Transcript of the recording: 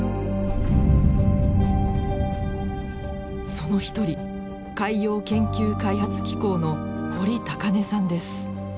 その一人海洋研究開発機構の堀高峰さんです。